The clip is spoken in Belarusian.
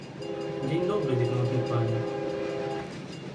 Дзень добры, вяльможны пане!